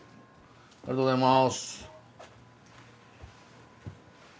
ありがとうございます。